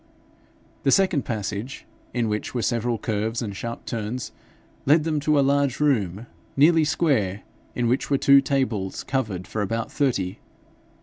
The second passage, in which were several curves and sharp turns, led them to a large room, nearly square, in which were two tables covered for about thirty.